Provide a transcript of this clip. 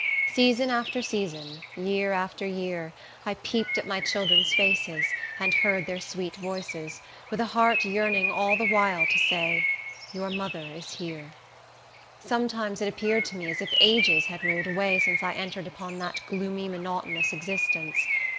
Season after season, year after year, I peeped at my children's faces, and heard their sweet voices, with a heart yearning all the while to say, "Your mother is here." Sometimes it appeared to me as if ages had rolled away since I entered upon that gloomy, monotonous existence.